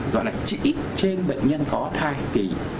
gọi là chỉ trên bệnh nhân có thai kỳ